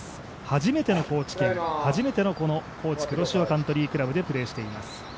初めての高知県、初めてのＫｏｃｈｉ黒潮カントリークラブでプレーしています。